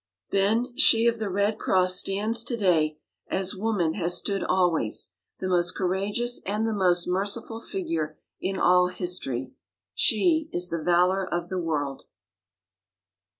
Thus she of the Red Cross stands today, as woman has stood always, the most courageous and the most merciful figure in all history. She is the Valor of the World."